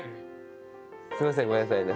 すみませんごめんなさいね。